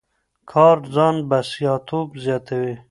کار ځان بسیا توب زیاتوي.